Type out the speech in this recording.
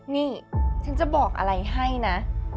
นี่ฉันจะบอกอะไรให้นะ